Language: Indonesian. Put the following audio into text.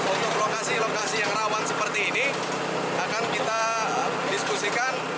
untuk lokasi lokasi yang rawan seperti ini akan kita diskusikan